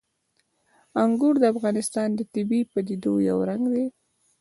انګور د افغانستان د طبیعي پدیدو یو رنګ دی.